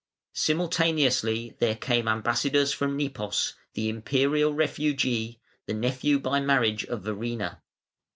Simultaneously there came ambassadors from Nepos, the Imperial refugee, the nephew by marriage of Verina.